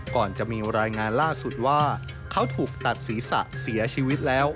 ก่อนจะมีรายงานล่าสุดว่าเขาถูกตัดศีรษะเสียชีวิตแล้ว